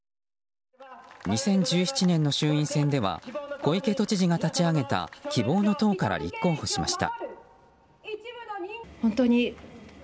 ２０１７年の衆院選では小池都知事が立ち上げた希望の党から立候補しました。